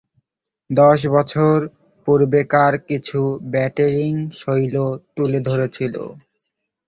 দশ বছর পূর্বেকার কিছু ব্যাটিংশৈলী তুলে ধরেছিলেন।